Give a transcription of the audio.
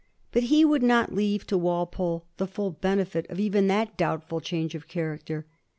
But he ^vDuld not leave to Walpole the fall benefit of even that doubtfal change of character.